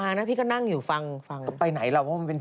ฉันก็ไม่เข้าใจตัวเองนะ